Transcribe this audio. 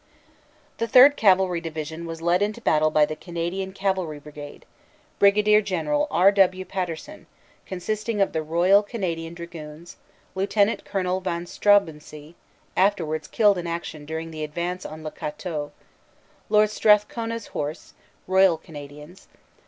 The Third Cavalry Division was led into battle by the Canadian Cavalry Brigade, Brig. General R. W. Paterson, consisting of the Royal Canadian Dragoons, Lt. Col. Van Straubenzee (afterwards killed in action during the advance on Le Cateau), Lord Strathcona s Horse (Royal Canadians), Lt.